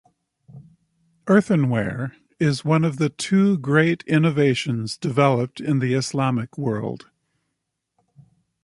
Earthenware is one of the two great innovations developed in the Islamic world.